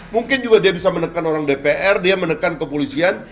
mungkin juga dia bisa menekan orang dpr dia menekan kepolisian